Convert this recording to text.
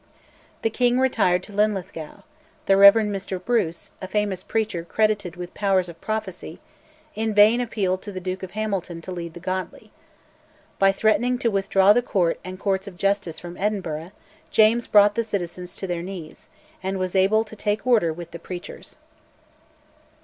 The king retired to Linlithgow; the Rev. Mr Bruce, a famous preacher credited with powers of prophecy, in vain appealed to the Duke of Hamilton to lead the godly. By threatening to withdraw the Court and Courts of Justice from Edinburgh James brought the citizens to their knees, and was able to take order with the preachers.